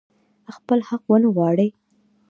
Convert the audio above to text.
خپل حق ونه غواړي.